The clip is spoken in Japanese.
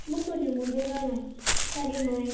あたりまえ。